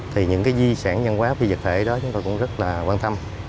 thì những di sản nhân quá vi dịch thể đó chúng tôi cũng rất quan tâm